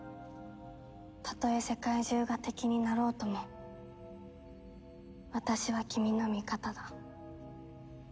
「たとえ世界中が敵になろうとも私は君の味方だ」